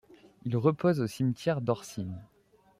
Il repose au cimetière d'Orcines.